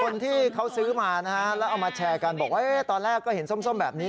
คนที่เขาซื้อมานะฮะแล้วเอามาแชร์กันบอกว่าตอนแรกก็เห็นส้มแบบนี้